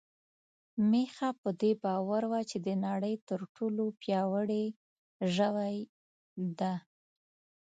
میښه په دې باور وه چې د نړۍ تر ټولو پياوړې ژوی ده.